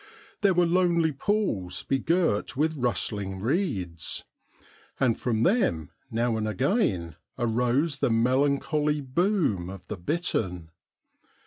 There were lonely pools begirt with rustling reeds, and from them now and again arose the melancholy boom of the bittern.